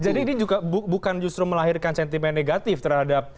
jadi ini juga bukan justru melahirkan sentimen negatif terhadap